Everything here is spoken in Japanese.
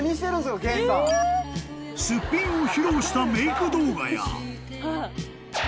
［すっぴんを披露したメイク動画や］